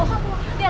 dia untuk pendapatan